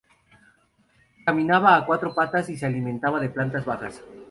Caminaba a cuatro patas y se alimentaba de plantas bajas.